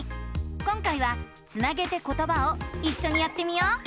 今回は「つなげてことば」をいっしょにやってみよう！